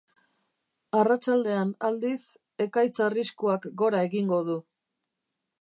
Arratsaldean, aldiz, ekaitz arriskuak gora egingo du.